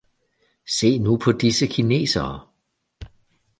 Se nu på disse kinesere